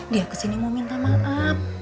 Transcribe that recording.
dia kesini mau minta maaf